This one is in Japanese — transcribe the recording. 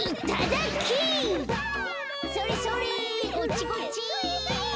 それそれこっちこっち。